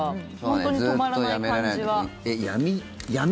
本当に止まらない感じは。